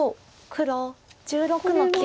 黒１６の九。